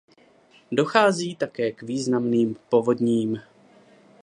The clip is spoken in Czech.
Dochází také k významným povodním.